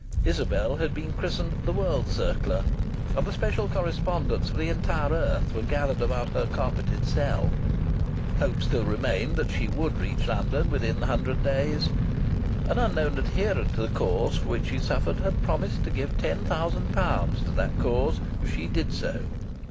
Isabel had been christened the World Circler, and the special correspondents of the entire earth were gathered about her carpeted cell. Hope still remained that she would reach London within the hundred days. An unknown adherent of the cause for which she suffered had promised to give ten thousand pounds to that cause if she did so.